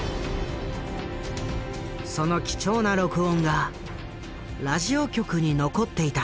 その貴重な録音がラジオ局に残っていた。